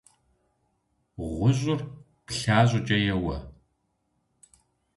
Гъущӏыр плъа щӏыкӏэ еуэ.